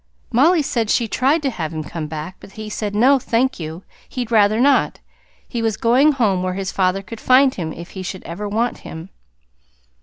"Mollie said she tried to have him come back, but that he said, no, thank you, he'd rather not. He was going home where his father could find him if he should ever want him.